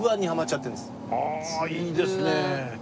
ああいいですね。